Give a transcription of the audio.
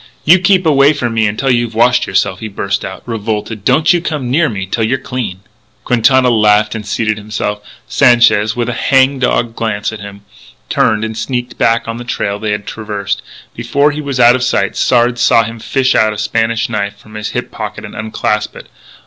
"You keep away from me until you've washed yourself," he burst out, revolted. "Don't you come near me till you're clean!" Quintana laughed and seated himself. Sanchez, with a hang dog glance at him, turned and sneaked back on the trail they had traversed. Before he was out of sight Sard saw him fish out a Spanish knife from his hip pocket and unclasp it.